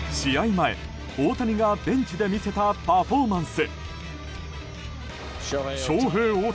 前、大谷がベンチで見せたパフォーマンス。